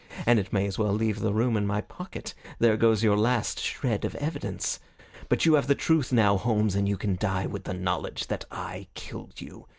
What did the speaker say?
And it may as well leave the room in my pocket. There goes your last shred of evidence. But you have the truth now, Holmes, and you can die with the knowledge that I killed you.